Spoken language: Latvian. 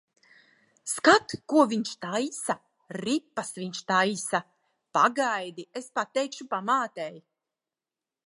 Skat, ko viņš taisa! Ripas viņš taisa. Pagaidi, es pateikšu pamātei.